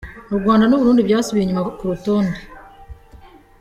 U Rwanda n’u Burundi byasubiye inyuma ku rutonde